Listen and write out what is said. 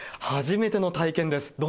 初めての体験です。